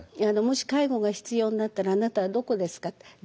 もし介護が必要になったらあなたはどこですかって。